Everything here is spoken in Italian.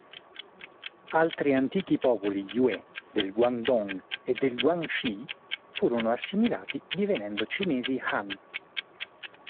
Altri antichi popoli Yue del Guangdong e del Guangxi furono assimilati, divenendo Cinesi Han.